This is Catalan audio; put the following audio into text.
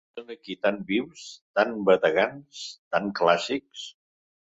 I són aquí tan vius, tan bategants, tan clàssics!